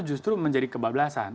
justru menjadi kebablasan